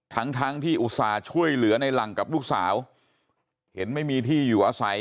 ทั้งทั้งที่อุตส่าห์ช่วยเหลือในหลังกับลูกสาวเห็นไม่มีที่อยู่อาศัย